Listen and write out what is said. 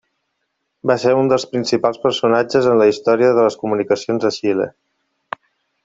Va ser un dels principals personatges en la història de les comunicacions a Xile.